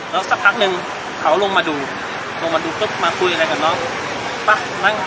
แล้วสักพักนึงเขาก็ลงมาดูมาคุยอะไรกับน้อง